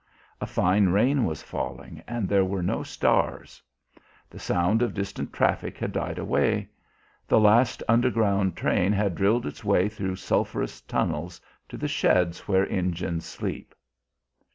A fine rain was falling, and there were no stars. The sound of distant traffic had died away. The last underground train had drilled its way through sulphurous tunnels to the sheds where engines sleep.